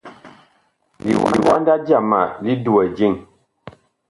Liwanda jama li duwɛ jeŋ.